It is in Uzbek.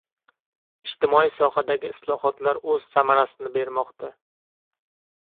Ijtimoiy sohadagi islohotlar o‘z samarasini bermoqda